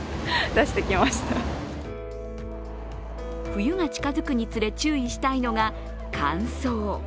冬が近づくにつれ注意したいのが、乾燥。